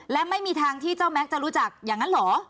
และไม่มีทางที่เจ้าแม็กซจะรู้จักอย่างนั้นเหรอ